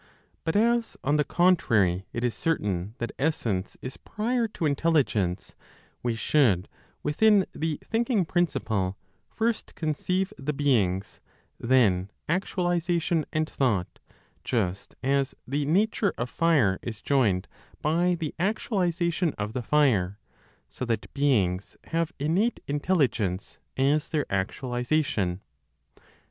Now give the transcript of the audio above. But as, on the contrary, it is certain that essence is prior to Intelligence, we should, within the thinking principle, first conceive the beings, then actualization and thought, just as (the nature) of fire is joined by the actualization of the fire, so that beings have innate intelligence (?) as their actualization.